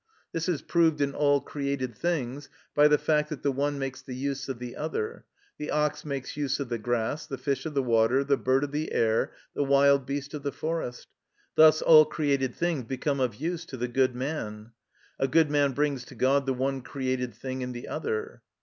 This is proved in all created things, by the fact that the one makes the use of the other; the ox makes use of the grass, the fish of the water, the bird of the air, the wild beast of the forest. Thus, all created things become of use to the good man. A good man brings to God the one created thing in the other."